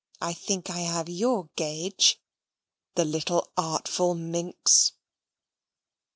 I think I have YOUR gauge" the little artful minx!